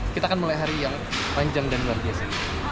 kita akan mulai hari yang panjang dan luar biasa